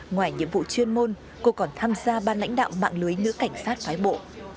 ngoài nhiệm vụ chuyên môn cô còn tham gia ban lãnh đạo mạng lưới nữ cảnh sát phái bộ